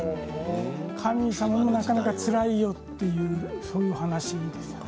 神様は、なかなかつらいよという話ですね。